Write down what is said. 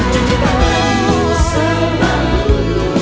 cekat tanganmu selalu